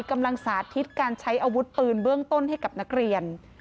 สาธิตการใช้อาวุธปืนเบื้องต้นให้กับนักเรียน